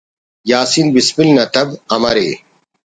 یاسین بسمل نا تب امر ءِ ……